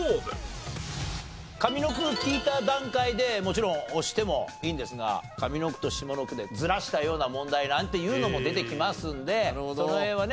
上の句を聞いた段階でもちろん押してもいいんですが上の句と下の句でずらしたような問題なんていうのも出てきますんでその辺はね